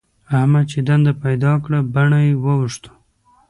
احمد چې دنده پيدا کړه؛ بڼه يې واوښته.